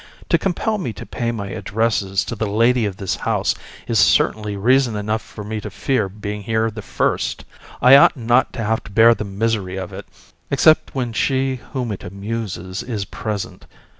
To compel me to pay my addresses to the lady of this house is certainly reason enough for me to fear being here the first. I ought not to have to bear the misery of it, except when she whom it amuses is present.